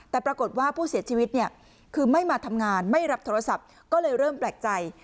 แต่ปรากฏว่าผู้เสียชีวิตเนี่ยคือไม่มาทำงานไม่รับโทรศัพท์ก็เลยเริ่มแปลกใจ